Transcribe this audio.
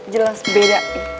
jelas beda pi